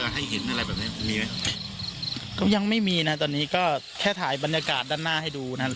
ให้เห็นอะไรแบบนี้มีไหมก็ยังไม่มีนะตอนนี้ก็แค่ถ่ายบรรยากาศด้านหน้าให้ดูนะครับ